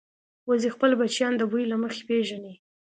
وزې خپل بچیان د بوی له مخې پېژني